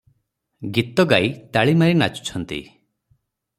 ଗୀତ ଗାଇ ତାଳି ମାରି ନାଚୁଛନ୍ତି ।